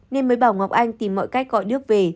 nên mới bảo ngọc anh tìm mọi cách gọi nước về